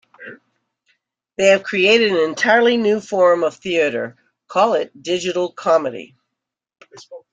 They have created an entirely new form of theater; call it digital comedy.